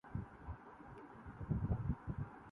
دھمکیوں کا سامنا رہا ہے